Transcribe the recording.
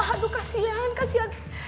aduh kasihan kasihan